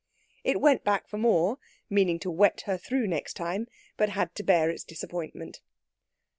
It went back for more, meaning to wet her through next time; but had to bear its disappointment.